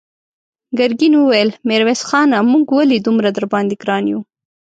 ګرګين وويل: ميرويس خانه! موږ ولې دومره درباندې ګران يو؟